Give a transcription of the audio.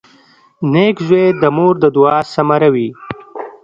• نېک زوی د مور د دعا ثمره وي.